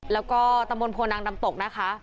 แล้วก็ตำบลโพนังดำตกนะคะ